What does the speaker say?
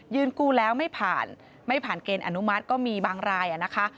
กู้แล้วไม่ผ่านไม่ผ่านเกณฑ์อนุมัติก็มีบางรายนะคะ